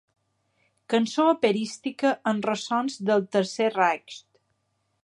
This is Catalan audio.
Cançó operística amb ressons del Tercer Reich.